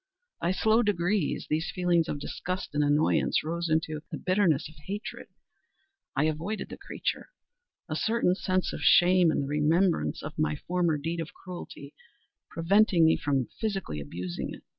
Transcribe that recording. By slow degrees, these feelings of disgust and annoyance rose into the bitterness of hatred. I avoided the creature; a certain sense of shame, and the remembrance of my former deed of cruelty, preventing me from physically abusing it.